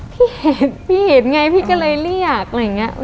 พี่เห็นพี่เห็นไงพี่ก็เลยเรียกอะไรอย่างนี้